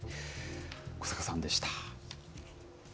小坂さんでした。